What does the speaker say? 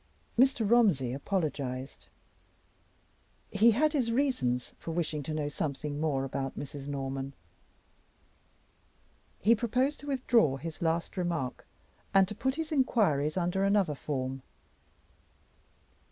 Mr. Romsey apologized. He had his reasons for wishing to know something more about Mrs. Norman; he proposed to withdraw his last remark, and to put his inquiries under another form.